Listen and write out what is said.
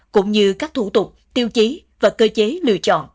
cũng như các thủ tục tiêu chí và cơ chế lựa chọn